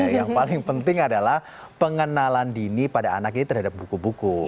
yang paling penting adalah pengenalan dini pada anak ini terhadap buku buku